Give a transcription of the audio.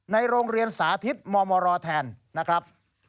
ในโรงเรียนสาธิตมรแทนนะครับ